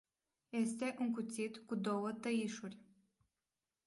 Este un cuțit cu două tăișuri.